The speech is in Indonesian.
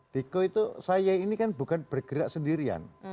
diko itu saya ini kan bukan bergerak sendirian